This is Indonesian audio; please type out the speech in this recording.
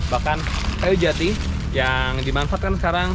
bahkan kayu jati yang dimanfaatkan sekarang